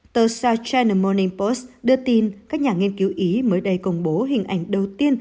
tờ sao china moning post đưa tin các nhà nghiên cứu ý mới đây công bố hình ảnh đầu tiên